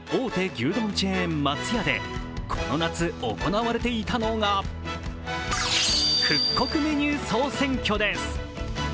牛丼チェーン・松屋でこの夏、行われていたのが復刻メニュー総選挙です。